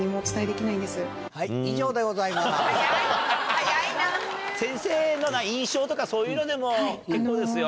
早い早いな。とかそういうのでも結構ですよ。